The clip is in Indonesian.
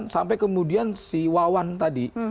sampai kemudian si wawan tadi